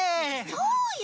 そうよ！